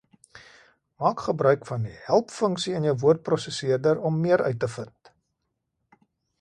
Maak gebruik van die “Help”-funksie in jou woordprosesseerder om meer uit te vind.